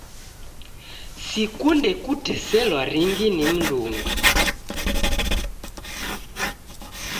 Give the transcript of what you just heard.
Sikunde kuteselwa ringi ni mndungi